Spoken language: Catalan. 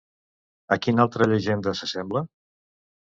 A quina altra llegenda s'assembla?